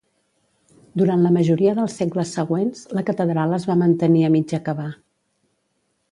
Durant la majoria dels segles següents, la catedral es va mantenir a mig acabar.